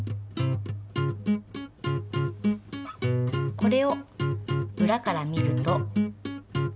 これをうらから見ると。